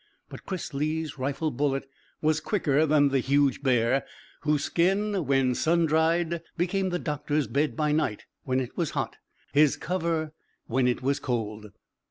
But Chris Lee's rifle bullet was quicker than the huge bear, whose skin when sun dried, became the doctor's bed by night when it was hot, his cover when it was cold.